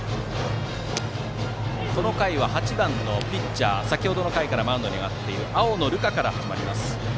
この回は８番のピッチャー先程からマウンドに上がっている青野流果から始まります。